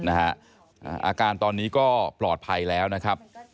อาการตอนนี้ก็ปลอดภัยแล้วนะครับ